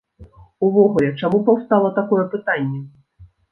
Увогуле чаму паўстала такое пытанне?